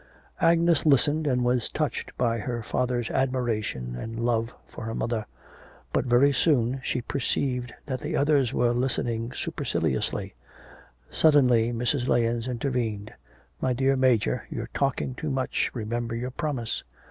Agnes listened and was touched by her father's admiration and love for her mother. But very soon she perceived that the others were listening superciliously. Suddenly Mrs. Lahens intervened. 'My dear Major, you're talking too much, remember your promise.'